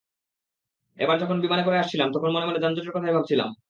এবার যখন বিমানে করে আসছিলাম, তখন মনে মনে যানজটের কথাই ভাবছিলাম।